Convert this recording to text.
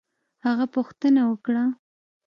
هغه پوښتنه وکړه